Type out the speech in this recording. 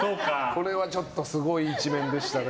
これはちょっとすごい一面でしたね。